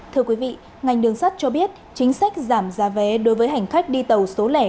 thưa quý vị ngành đường sắt cho biết chính sách giảm giá vé đối với hành khách đi tàu số lẻ